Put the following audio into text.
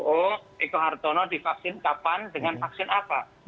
oh eko hartono divaksin kapan dengan vaksin apa